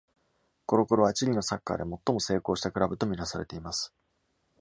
コロコロは、チリのサッカーで最も成功したクラブと見なされています。